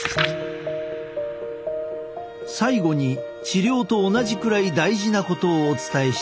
最後に治療と同じくらい大事なことをお伝えしたい。